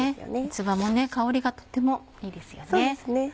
三つ葉も香りがとってもいいですよね。